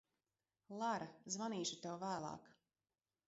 Lara, zvanīšu tev vēlāk.